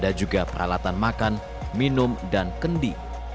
ada juga peralatan makan minum dan kendi